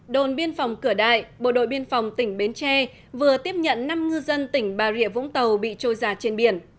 đồn biên phòng cửa đại bộ đội biên phòng tỉnh bến tre vừa tiếp nhận năm ngư dân tỉnh bà rịa vũng tàu bị trôi giả trên biển